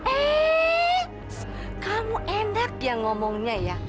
eks kamu endak yang ngomongnya ya